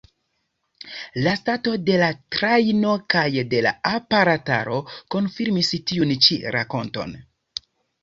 La stato de la trajno kaj de la aparataro konfirmis tiun ĉi rakonton.